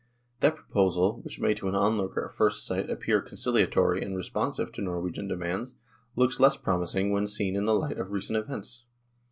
That proposal, which may to an onlooker at first sight appear conciliatory and responsive to Nor wegian demands, looks less promising when seen in the light of recent events.